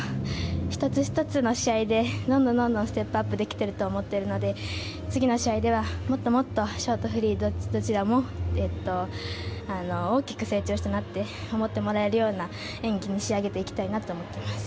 １つ１つの試合でどんどんステップアップできてきていると思うので次の試合ではもっともっとショート、フリーどちらも大きく成長したなって思ってもらえるような演技に仕上げていきたいと思っています。